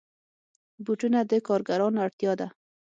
بوټونه د کارګرانو اړتیا ده.